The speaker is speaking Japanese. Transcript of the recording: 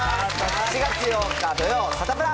４月８日土曜、サタプラ。